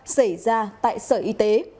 xảy ra tại sở y tế